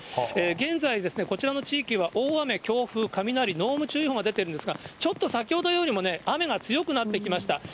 現在、こちらの地域は大雨、強風、雷、濃霧注意報が出ているんですが、ちょっと先ほどよりもね、雨が強くなってきました。